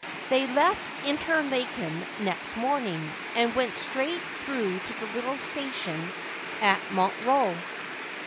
They left Interlaken next morning, and went straight through to the little station at Montreux.